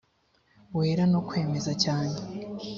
wera no kwemeza cyane